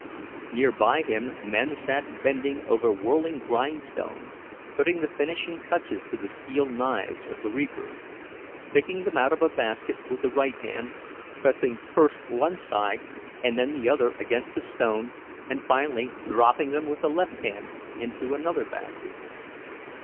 Near by him men sat bending over whirling grindstones, putting the finishing touches to the steel knives of the reaper; picking them out of a basket with the right hand, pressing first one side and then the other against the stone and finally dropping them with the left hand into another basket.